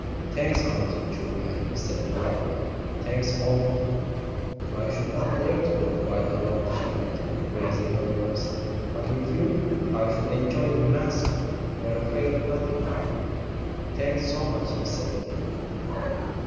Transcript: "Thanks, Aunt Julia," he said politely; "thanks awfully." "I should not dare to go quite alone," she went on, raising her voice; "but with you I should enjoy it immensely. You're afraid of nothing, I know." "Thanks so much," he said again.